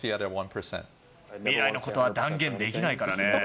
未来のことは断言できないからね。